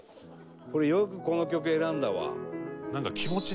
これよくこの曲選んだわ」